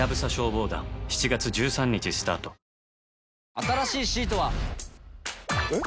新しいシートは。えっ？